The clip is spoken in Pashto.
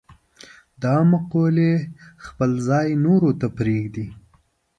دا مقولې خپل ځای نورو ته پرېږدي.